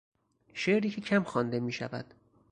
شعری که کم خوانده میشود